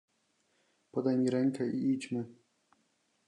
"Podaj mi rękę i idźmy."